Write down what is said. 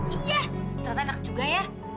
iya ternyata enak juga ya